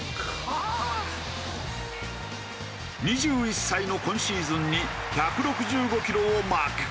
２１歳の今シーズンに１６５キロをマーク。